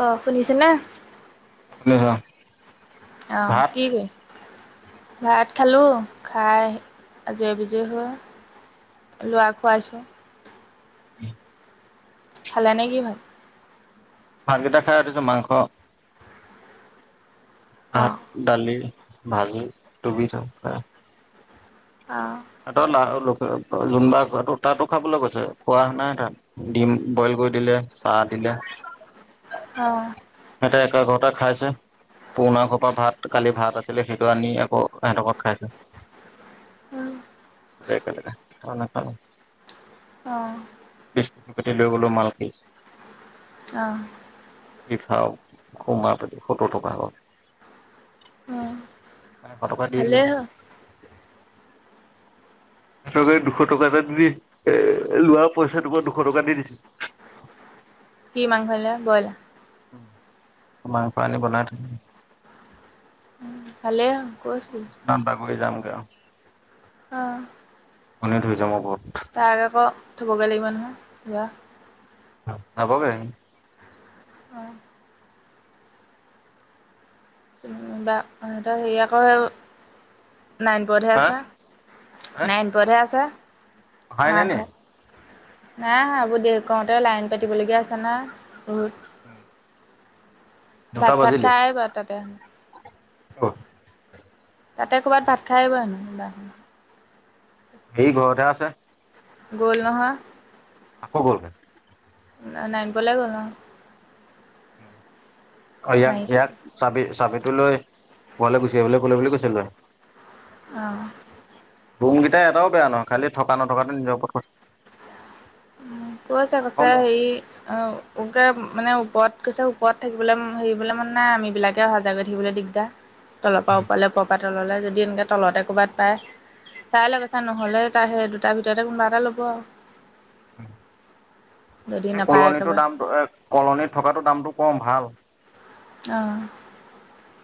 অ শুনিছ নে? অহ অহ কি কৰি ভাত খালোঁ খাই আজৰি পাজৰি হৈ লৰা খুৱাইছো। [inaudible] খালে নেকি ভাত? ভাতকেইটা খাই আৰু মাংস অঁ ভাত দালি। ভাল তুমি [unintelligible] অঁ এটা লা ল যোনবাৰ তাতো খাবলৈ গৈছে খোৱা নাই তাত দিম বইল কৰি দিলে। চাহ দিলে অঁ সিহঁতে একে ঘৰতে খাইছে। পুৰণা খোপা ভাত কালি ভাত আছিলে। সেইটো আনি আকৌ সিহঁতৰ ঘৰত খাইছে। উম একেলগে খানা খালো। অ' প পাতি লৈ গ'লো মালকি। আহ সি খাও সমাই প সত্তৰ টকা হল। অঁ মানে এশ টকা দি দিলো। ভালেই হ'ল। সিহকে দুশ টকা এটা দি এ লোৱা পইচাটোক দুশ টকা দি দিছিল। কি মাংস বইলাৰ। মাংস আনি বনাই থৈ ভালে হ'ল। অ কৈছিলো। বিশ্বনাত বাগৰী যামগৈ আহ শনি ধৰিছে বহুত মোক। যোৱা আগৰপে [inaudible] অঁ বা সিহঁতৰ হেৰি আকৌ নাইনপোৰতহে হা আছে হা নাইনপোৰতহে আছে অহাই নাই মাক নি ঘৰত। নাই অহা আবৌ দে কওঁতে লাইন পাতিব লগগীয়া আছে নহয় বহুত। উম ভাত চাত খাই বাৰতাতে। অ তাতে কৰ'ৰবাত ভাত খাই আহিব হেনো। এই ঘৰতহে আছে। গ'ল নহয়। আকৌ গল নাইন পোৱলৈ গ'ল। অ ইয়াক মাৰিছিল ইয়াক চাবি চাবিটো লৈ পোৱালৈ গুচি আহিবলৈ কলে বুলি কৈছিলো হয়। আহ ৰুমকেইটা এটাও বেয়া নহয়। খালি থকা নথকাটো নিজৰ ওপৰত কথা। উ কৈছে প্ৰথম কৈছে হেৰি অ' মানে ওপৰত কৈছে ওপৰত থাকিবলৈ হেৰিবলৈ মান নাই। আম বিলাকে অহা যগত থাকিবলৈ দিগদাৰ। তলৰ পৰা ওপৰলে পৰ পৰা তললৈ যদি এনেকে তলতে ক'ৰবাত পায়। চাই [unintelligible] চা নহলে সেই দুটাৰ ভিতৰতে কোনোবা এটা ল'ব আৰু। যদি এই নাপায় কলনীটোৰ একেবাৰে দামটো এ কলনিত থকাটো দামটো কম ভাল। অ'।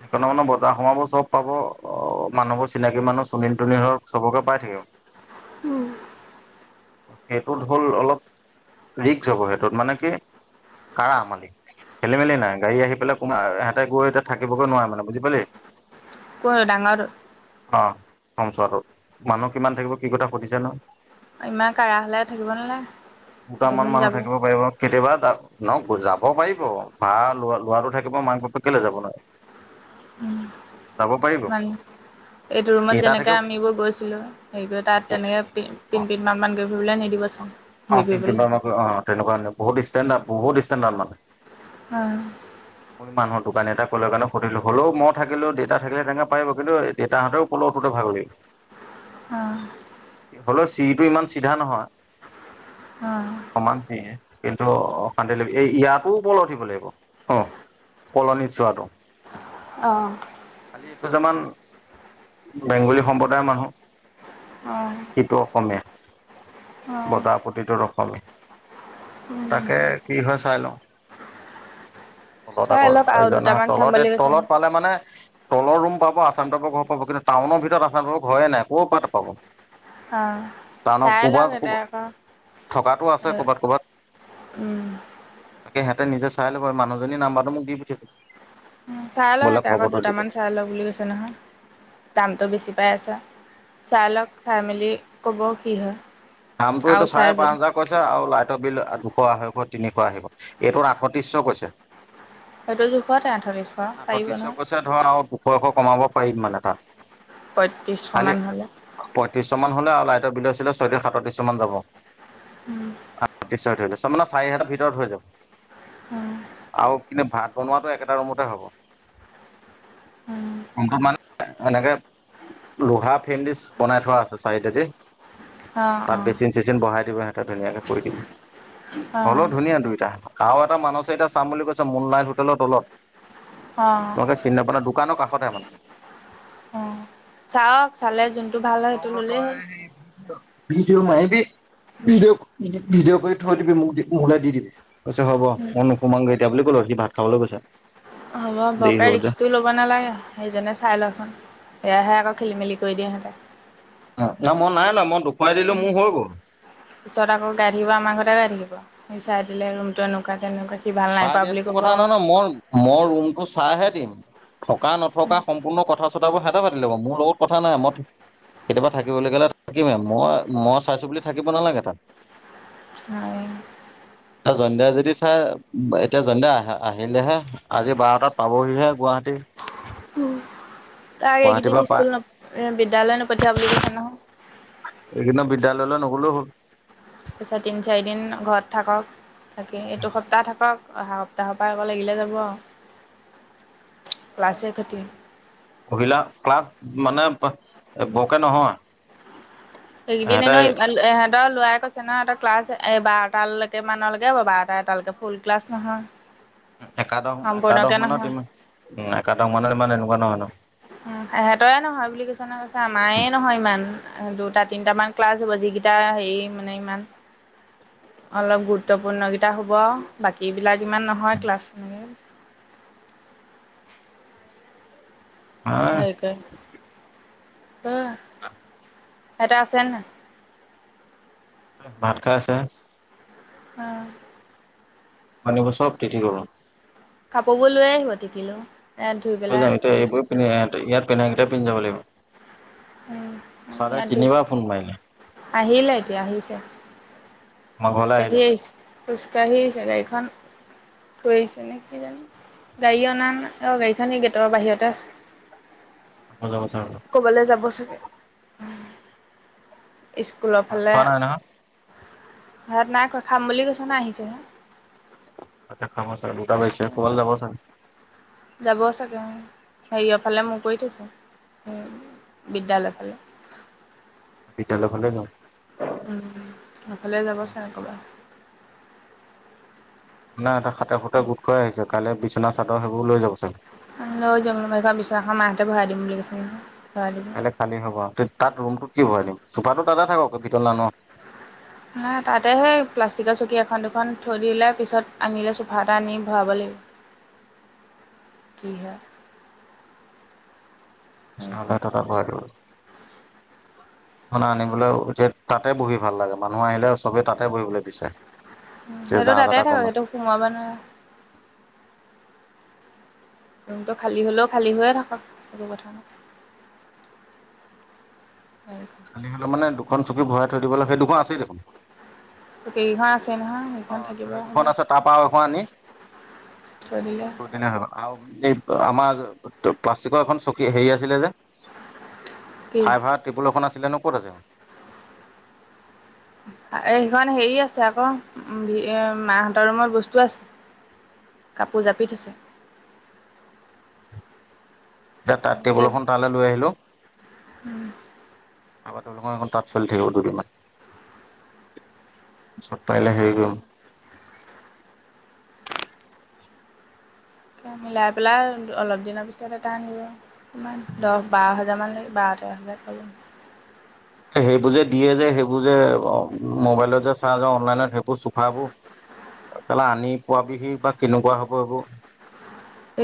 সেইকাৰণে মানে বজাৰ সোমাব চব পাব অ', মানুহবোৰ চিনাকি মানুহ [unintelligible] ছবকে পাই থাকিব। উম। সেইটোত হ'ল অলপ ৰিস্ক হ'ব সেইটোত মানে কি কাৰ আমলি খেলি মেলি নাই গাড়ী আহি পেলাই সোয় এহঁতে গৈ এতিয়া থাকিবগৈ নোৱাৰে মানে বুজি পালি। কৰ ডাঙৰ অ', [unintelligible] মানুহ কিমান থাকিব কি কথা সুধিছা ন? ইমান কাঢ়া হ'লে থাকিব নালাগে দুটামান গোটেইখিনি মানুহ যাব থাকিব পাৰিব কেতিয়াবা ন যাব পাৰিব [unintelligible] লৰাটো থাকিব মাক বাপেক কেল যাব ন। যাব পাৰিব। মানুহ এইটো ৰুমত কেইটা যেনেকে থাকে আমিবোৰ গৈছিলো সেই টোয়ে তাত তেনেকে [unintelligible] মান গৈ [unintelligible] নিদিবচোন। অ', [unintelligible] তেনেকুৱা বহুত ষ্টেণ্ডাৰ্ড বহুত ষ্টেণ্ডাৰ্ড মানে। অ'। মোৰ মানুহৰ দোকান এটা কলৰ কাৰণে সুধিলো হলেও মই থাকিলো দউেত থাকিলে তেনে পাৰ কিন্তু দেউটাহঁতেও [unintelligible] অ'। হলেও চিৰিটো ইমান চিধা নহয় অ সমান চিৰি। কিন্তু অশান্তি ল এই ইয়াতো ওপৰলৈ উঠিব লাগিব অ'। কলনিত যোৱাটো খালি কেইজনমান বেংগলী সম্প্ৰদায়ৰ মানুহ। অঁ অ সিটো অসমীয়া অ বজাৰ প্ৰতিটো [unintelligible] উম তাকে কি হয় চাই লওঁ - তলত চাই আকৌ লওক আৰু জনাত দুটামান চাম তলত এই বুলি কৈছে তলত মোক পালে মানে তলত ৰুম পাব আচাম টাইপৰ ঘৰ পাব কিন্তু টাউনৰ ভিতৰত আচাম টাইপৰ ঘৰৰে নাই ক'ৰ পৰা পাব। অ টাউনত চাই লওক কবাত এটা কবাত আকৌ থকাটো আছে কবাত কবাত। উম। তাকে সিহঁতে নিজে চাই লব মানুহজনীয়ে নাম্বাৰটো মোক দি পঠািইছে। উম, চাই লওঁক সিহতে আকৌ দুটামান চাই লওঁ বুলি কৈছে নহয়। দামটো বেছি পাই আছে চাই লওক চাই মেলি ক'ব কি হয়। দামটো আৰু এইটো চাই চাৰে পাঁচ যদি হাজাৰ কৈছে আৰু লাইটৰ বিল দুশ, আঢ়ৈশ, তিনিশ আহিব এইটোত আঠত্ৰিশশ কৈছে। সেইটো জোখততে আঠত্ৰিশ কৈছো ধৰা আৰু দুশ আৰইশ কমাব পাৰিম মানে তাত। পঁয়ত্ৰিশশ মান হ'লে ছই মান হ'লে আৰু লাইটৰ বিলে চিলে [unintelligible] সাততিশ মান যাব। হ'লে নিশ্চ থৈ লৈছে [unintelligible] ভিতৰত হৈ যাব। আৰু কিন্তু ভাত বনোৱাটো একেটা ৰুমতে হ'ব। অ', [unintelligible] এনেকে লোহা ফেণ্ডিচ বনাই থোৱা আছে চাইদেদি। তাত অ', বেচিন চেচিন বহাই দিব সিহঁতে ধুনীয়াকে কৰি দিব। হলেও অ', ধুনীয়া দুইটা আৰু এটা মানুহ এতিটা চাম বুলি কৈছে মুনলাইট হোটেলৰ তলত। অ', তোমালোকে চিন নাপা নহয় দোকানৰ কাষতে মানে। উম, চাওক চালে যোনটো ভাল হয় মই সেইটো বোলো ললেই হ'ল। তই সেই ভিডিঅ মাৰিবি ভিডিঅ' ভিডিঅ' কৰি থৈ দিবি মোক মোলৌ দি দিবি কছে হ'ব মই নোসোমামংগৈ এতিয়া বুলি ক'লো। তই কি ভাত খাবলৈ গৈছ? হ'ব বৰকে রিক্স টোও ল'ব নালাগে সেইজনে চাই লওঁ। সেয়াহে আকৌ খেলি মেলি কৰি দিয়ে সিহঁতে। ন মই নাই ন মই খুৱাই দিলো মোৰ হৈ গ'ল। পিছত আকৌ গাঢ়িব আমাৰ ঘৰ গাঢ় দিব সি চাই দিলে ৰুমটো এনেকুৱা তেনেকুৱা সি ভাল নাই চাই পোৱা বুলি দিয়াতো ক'ব কথা আকৌ। নহয় ন মোৰ মোৰ ৰুমটো চাইহে। থকা নথকা সম্পূৰ্ণ কথা চতাবোৰ হতে পাতি ল'ব মোৰ লগত কথা নাই মই কেতিয়াবা থাকিবলৈ গ'লে থাকিমে মই মই চাইছো বুলি থাকিব নালাগে তাত। [unintelligible] এ জণ্ডিয়া যদি চাই এতিয়া জডিয়া আহ আহিলেহে আজি বাৰটাত পাবহিহে গোৱা [unintelligible] উম। তাক এইকেইদিন পৰা পাই স্কুল ন বিদ্যালয় নপঠিয়া বুলি কৈছো নহয়। সদিন বিদ্যালয়লৈ নগ'লেও হ'ল। পিছত তিনি চাৰিদিন ঘৰত থাকক থাকি এইটো সপ্তাহ থাকক অহা সপ্তাহ তাহৰ পৰা আকৌ লগিলে যাব আৰু ক্লাছে খতি পিলা ক্লাছ মানে বৰকে নহয়? সেইকদিন সিহঁতে ন ইমান ইহঁতৰ লৰা ক ছে নহয় এটা ক্লাছ এই বাৰটালৈকে মানলৈকে হ'ব বাৰটা এটালৈকে ফুল ক্লাছ নহয়। উ একাদশ একাদশ সম্পূৰ্ণকে মানত নহয় ইমান উ একাদশ মানত ইমান এনেকুৱা নহয়। ইহঁতৰে নহয় বুলি কৈছে নহয় কৈছে আমাৰে নহয় ইমান দুটা তিনিটামান ক্লাছ হ'ব যিকেইটা হেৰি মানে ইমান অলপ গুৰুত্বপূৰ্ণ কেইটা হব বাকী বিলাক ইমান নহয় ক্লাছনেকে। হা উম। আহ। এেইটা আছে ন? ভাত খাই আছে। আহ। মানক চব তিঠি কৰো। কাপোৰ বোৰ লৈ আহিব টিকিলো। য এ এইবোৰন্ধ ইয়াত ক কেইটা পিন্ধ য লাগিব। উম ছাৰে ইয়ত, তিনিবাৰ ফোন মাৰিলে আহিলে এতিয়া আহিছে। আমাৰ ঘৰলৈ খোজকাাঢ়ি আহিলে আহিছে খোজকাঢ়ি জেগাখন থ আহিছে নে কি জানো গাড়ী অনা নাই অ গাড়ীখনই গেটৰ বাহিৰতে আছে। যাব চাগে। ক'বলৈ যাব চাগে। স্কুলৰ ভাত ফালে, খোৱা নাই নহয় ঘাত নাই খাম বুলি কৈছে ন আহিছেহে। খাম ছাৰ দুটা বেছে খবাল যাব ছাৰ যাব চাগে হেৰিয়ৰফালে মোৰ কৰি থৈছে। বিদ্্যালয় ফালে বিদ্যালয়ৰ ফালে যাওঁ। সফালে যাবচোন আক'বাৰ [unintelligible] হাতে সোতে গোট খুৱাই আহিছে কাইলৈ বিছনা চাদৰ সেইবোৰ লৈ যাব চাগে। তাতে ভৰাই দিম বুলি কৈছে [unintelligible] কাইলৈ খালি হ'ব তাত ৰুমটোত কি ভৰাই দিম চোফাটো তাতে থাকক ভিতৰলৈ নানো আৰু [unintelligible] তাতে সেই প্লাষ্টিকৰ চকী এখন দুখন থৈ দিলে পিছত আনিলে চোফা এটা আনি ভৰাব লাগিব [inaudible] [unintelligible] [unintelligible] হয় আনিবলৈও এতিয়া তাতে বহি ভাল লাগে মানুহ আহিলে চবেই তাতে বহিবলৈ বিচাৰে এই সেইটো যা তাতে যাতা থাকক কমে সেইটো সোমোৱাব [unintelligible] [inaudible] ৰুমটো খালী হ'লেও খালী হৈয়ে থাকক একো কথা নাই [inaudible] খালী হ'লে মানে দুখন চকী ভৰাই থৈ দিব লাগে সেই দুখন আছেই দেখোন কেইঘৰ আছে নহয় সেইখন অ', থাকিব সেই হ'ব দুখন আছে তাৰ পৰা আৰু এখন আনি থৈ দিলে হৈ গ'ল আৰু এই আমাৰ প্লাষ্টিকৰ এখন চকী চকী হেৰি আছিলে যে কি ফাইবাৰ টেবুল এখন আছিলে ক'ত আছে? এই সেইখন হেৰি আছে আকৌ মাহঁতৰ ৰুমত বস্তু আছে কাপোৰ জাপি থৈছে। এতিয়া তাত টেবুল এখন তালৈ লৈ আহিলোঁ [unintelligible] খন তাঁত চলি থাকিব দুদিনমান পাৰিলে হেৰি কৰিম মিলাই পেলাই অলপ দিনৰ পিছত এটা আনিব ইমান দহ বাৰ হাজাৰ মান বাৰ [unintelligible] সেইবোৰ যে দিয়ে যে সেইবোৰ যে মোবাইলত যে চাৰ্জ আৰু অনলাইনত সেইবোৰ চোফাবোৰ [unintelligible] আনি পোৱাবিহি বা কেনেকুৱা হ'ব এইবোৰ?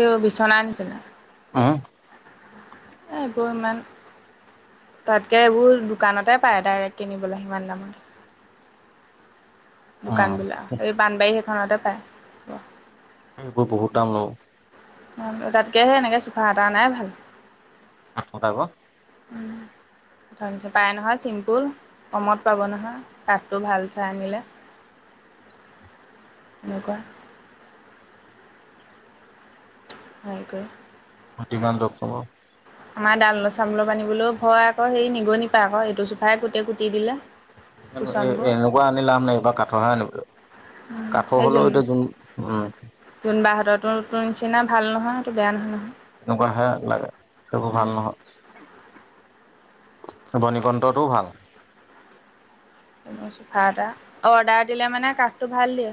এও বিচনাৰ নিচিনা [inaudible] এইবোৰ ইমান তাতকে এইবোৰ দোকানতে পায় ডাইৰেক্ট কিনিবলৈ সিমান দামত উম, দোকান বিলাক এই বানবাৰী সেইখনতে পায়। এইবোৰ বহুত দাম লওঁ তাতকে সেই এনেকে চোফা এটা আনাই ভাল। [inaudible] [inaudible] [unintelligible] পাই নহয় চিম্পুল কমত পাব নহয় কাঠটো ভাল চাই আনিলে এনেকুৱা ভালকৈ। [unintelligible] লগ হ'ব। আমাৰ জানিব চানলব আনিবলৈও ভয় আকৌ সেই নিগনি পা আকৌ এইটো চোফাই গোটেই কুটি দিলে। কিন্তু এই কুচনবোৰ এনেকুৱা আনি লাভ নাই এইবাৰ কাঠৰহে আনিব লাগিব। কাঠৰ হ'লেও এতিয়া যোন বা হঁতৰতো নিচিনা ভাল নহয় সেইটো বেয়া নহয় তেনেকুৱা হে লাগে সেইবোৰ ভাল নহয় বনিকন্তটোও ভাল। চোফা এটা অৰ্ডাৰ দিলে মানে কাঠটো ভাল দিয়ে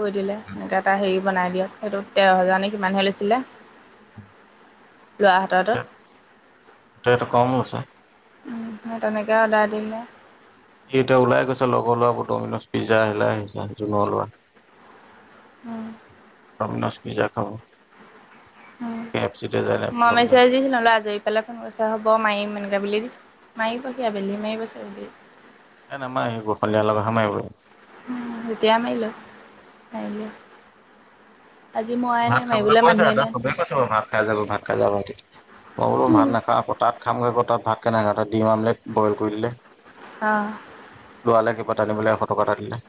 কৈ দিলে এনেকে এটা হেৰি বনাই দিয়ক সেইটো তেৰ হাজাৰে কিমানহে লৈছিলে। লৰাহতৰটোট এতিয়াটো কম লৈছে তেনেকৈ অৰ্ডাৰ দিলে সি এতিয়া ওলাই গৈছে লগৰ লোৱা আ ডমিনজ পিজ্জা [unintelligible] উম ডমিনজ পিজ্জা খাব। উম, কে এফ চিতে যায় মই ডমিনজ মেছেজ‌ দিছিলো আজৰি পালে ফোন কৰিছা হ'ব মাৰিম। এনেকা বুলি দিছে, মাৰিব দিয়া বেলি মাৰিব [unintelligible] এহ নামাৰে বশলীয়া লগাহে মাৰিব উম, যেতিয়া মাৰিলে হাৰিলে ভাত খাবলৈ কৈছে এতে চবে কৈছে বাৰু ভাত খাই যাব ভাত খাই যাব। মই বোলো ভাত নাখাওঁ আকৌ তাত খামগৈ, তাত ভাত হিতৰ কাৰণে দিম আমলেট বইল কৰি দিলে অ', লৱালে কিবা টানিবলে এশ টকা এটা দিলে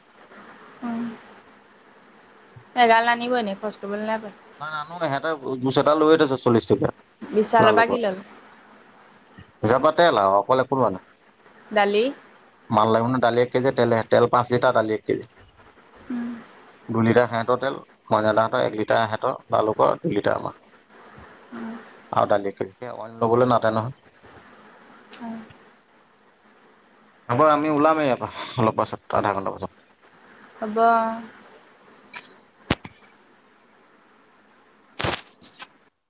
উম এ গাল আনিবই ন খৰচ কৰিবলৈ নাই পইচা নাই নানো এহেটে জুচ এটা লৈয়ে থৈছে চল্লিশ টকীয়া বিশালৰ পৰা কি লালুকত ল'লে জে পাতে লাও অকল একো লোৱা নাই দালি মাল লাগিব ন দালি এক কেজি তে তেল পাঁচ লিটাৰ দালি এক কেজি উম দুই লিটাৰ হেহঁতৰ তেল মইদা হঁতৰ এক লিটাৰ এহেতৰ লালুকৰ দুই লিটাৰ আমা আৰু দালি এক কেজি অন্য লবলৈ নাতে নহয় অ আবাৰ আমি ওলামেই ইয়াৰ পৰা অলপ পাছত আধা ঘন্টা পাছত হব [unintelligible]